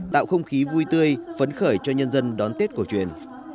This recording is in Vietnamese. tạo không khí vui tươi phấn khởi cho nhân dân đón tết cổ truyền